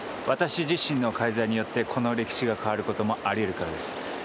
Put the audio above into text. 私自身の介在によってこの歴史が変わる事もありえるからです。